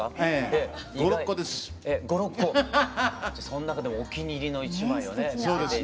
その中でもお気に入りの１枚をね。ね